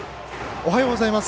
おはようございます。